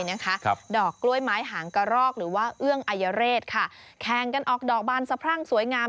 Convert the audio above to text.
ต้นเท่าไหร่ดอกกล้วยไม้หางกระรอกหรือว่าอื้องอัยฤษแคงกันออกดอกบานสะพรั่งสวยงาม